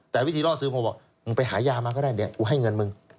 แต่วิธีล่อซื้อผมบอกมึงไปหายามาก็ได้เนี่ยกูให้เงินมึง